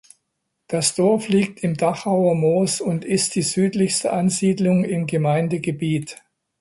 Das Dorf liegt im Dachauer Moos und ist die südlichste Ansiedlung im Gemeindegebiet.